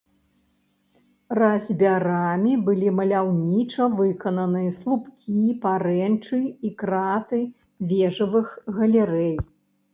Разьбярамі былі маляўніча выкананы слупкі, парэнчы і краты вежавых галерэй.